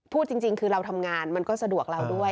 พูดจริงคือเราทำงานมันก็สะดวกเราด้วย